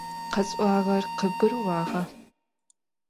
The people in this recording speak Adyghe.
Khes'uağer khıbgurı'uağa?